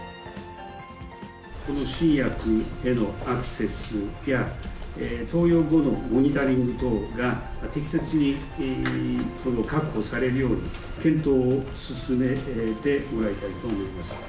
この新薬へのアクセスや、投与後のモニタリング等が適切に確保されるように、検討を進めてもらいたいと思います。